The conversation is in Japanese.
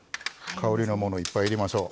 香りのものいっぱい入れましょう。